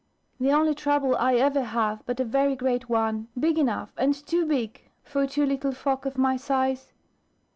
The only trouble I ever have, but a very great one, big enough and too big for two little folk of my size.